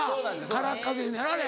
空っ風いうのやろあれ。